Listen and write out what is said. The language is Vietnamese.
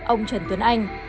ông trần tuấn anh